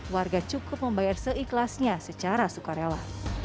warga cukup membayar seikhlasnya secara sukarela